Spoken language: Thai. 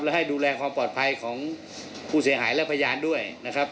และให้ดูแลความปลอดภัยของผู้เสียหายและพยานด้วยนะครับ